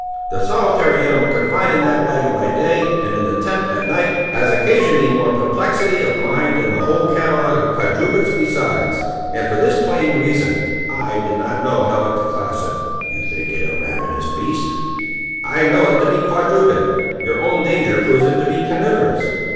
the solitary animal confined in that wagon by day, and in the tent at night, has occasioned me more perplexity of mind than the whole catalogue of quadrupeds besides: and for this plain reason; I did not know how to class it." "You think it a ravenous beast?" "I know it to be a quadruped: your own danger proves it to be carnivorous."